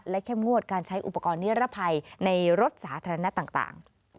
แค่มวดการใช้อุปกรณ์เนื้อระภัยในรถสาธารณะต่าง